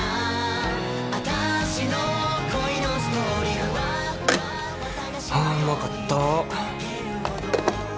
はあうまかった！